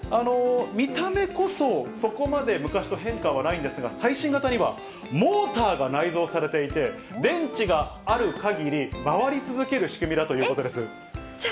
見た目こそ、そこまで昔と変化はないんですが、最新型にはモーターが内蔵されていて、電池があるかぎり、回り続ける仕組みだということです。